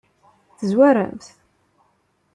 Tezwarem-t?